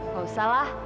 gak usah lah